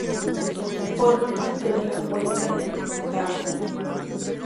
Forma parte de la cuenca del Tajo.